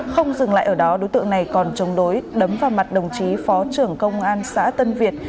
không dừng lại ở đó đối tượng này còn chống đối đấm vào mặt đồng chí phó trưởng công an xã tân việt